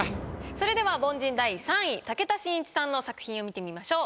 それでは凡人第３位武田真一さんの作品を見てみましょう。